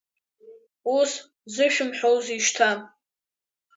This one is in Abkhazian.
Ус зышәымҳәозеи шьҭа…